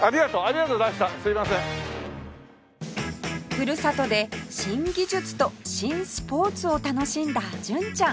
ふるさとで新技術と新スポーツを楽しんだ純ちゃん